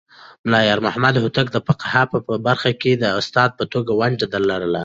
ملا يارمحمد هوتک د فقهه په برخه کې د استاد په توګه ونډه لرله.